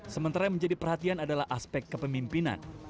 sementara yang menjadi perhatian adalah aspek kepemimpinan